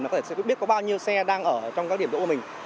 có thể biết có bao nhiêu xe đang ở trong các điểm đỗ của mình